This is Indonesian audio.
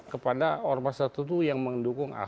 kepada ormas datu dutu yang mendukung ahok